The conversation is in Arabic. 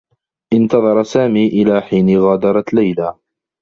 انتظر سامي إلى حين غادرت ليلى.